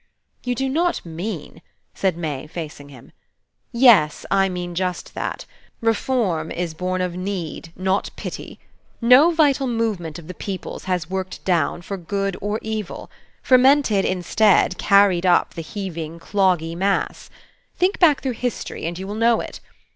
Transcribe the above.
"You do not mean" said May, facing him. "Yes, I mean just that. Reform is born of need, not pity. No vital movement of the people's has worked down, for good or evil; fermented, instead, carried up the heaving, cloggy mass. Think back through history, and you will know it.